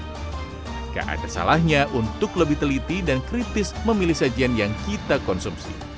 tidak ada salahnya untuk lebih teliti dan kritis memilih sajian yang kita konsumsi